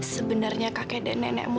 sebenernya kakek dan nenekmu